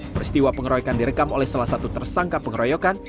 peristiwa pengeroyokan direkam oleh salah satu tersangka pengeroyokan